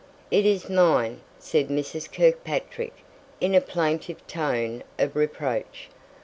"It is mine," said Mrs. Kirkpatrick, in a plaintive tone of reproach.